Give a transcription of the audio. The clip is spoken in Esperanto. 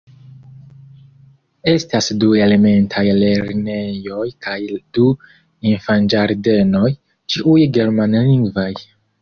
Estas du elementaj lernejoj kaj du infanĝardenoj, ĉiuj germanlingvaj.